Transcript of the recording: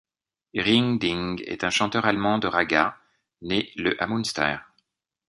Ring Ding est un chanteur allemand de ragga né le à Münster.